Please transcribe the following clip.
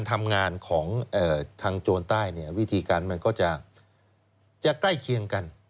ทางโจรใต้วิธีการมันก็จะใกล้เคียงกัน